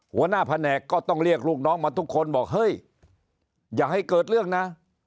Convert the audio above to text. หัวหน้าแผนกก็ต้องเรียกลูกน้องมาทุกคนบอกเฮ้ยอย่าให้เกิดเรื่องนะ